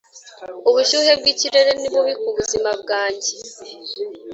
ubushyuhe bwikirere ni bubi kubuzima bwanjye